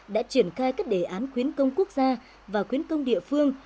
đã triển khai các đề án khuyến công quốc gia và khuyến công địa phương